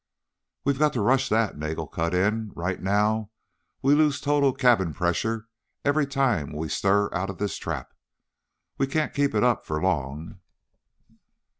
"We got to rush that," Nagel cut in. "Right now we lose total cabin pressure every time we stir out of this trap. We can't keep it up for long."